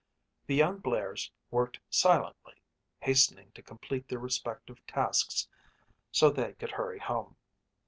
The young Blairs worked silently, hastening to complete their respective tasks so they could hurry home.